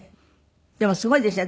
でもすごいですね。